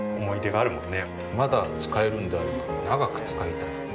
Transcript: まだ使えるんであれば長く使いたい。